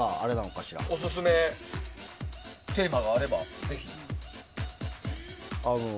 オススメテーマがあればぜひ。